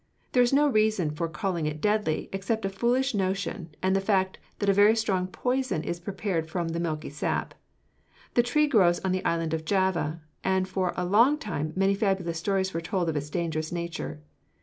There is no reason for calling it deadly except a foolish notion and the fact that a very strong poison is prepared from the milky sap. The tree grows in the island of Java, and for a long time many fabulous stories were told of its dangerous nature.